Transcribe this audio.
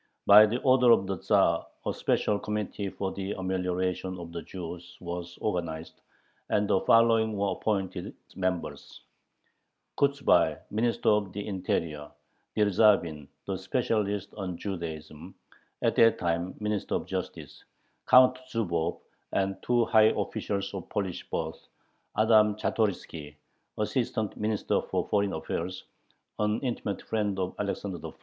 By order of the Tzar a special "Committee for the Amelioration of the Jews" was organized, and the following were appointed its members: Kochubay, Minister of the Interior, Dyerzhavin, the "specialist" on Judaism, at that time Minister of Justice, Count Zubov, and two high officials of Polish birth, Adam Chartoriski, Assistant Minister for Foreign Affairs, an intimate friend of Alexander I.